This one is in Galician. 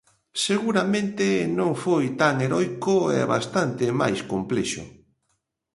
Seguramente non foi tan heroico e bastante máis complexo.